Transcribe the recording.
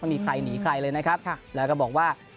ไม่มีใครหนีใครเลยนะครับแล้วก็บอกว่า